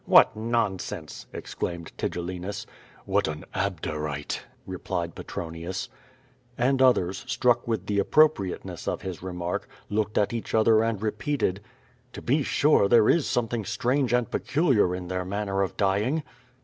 "What nonsense!" exclaimed Tigellinus. "What an Abderite!"* replied Petronius. And others, struck with the appropriateness of his remark, looked at each other and repeated: "To be sure, tliere is something strange and peculiar in their manner of dying."